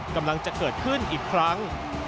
กำลังจะเกิดขึ้นอีกครั้ง